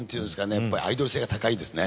やっぱりアイドル性が高いですね。